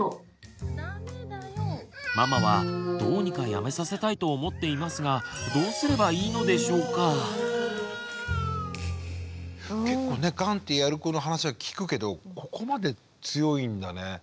ママはどうにかやめさせたいと思っていますが結構ねガンッてやる子の話は聞くけどここまで強いんだね。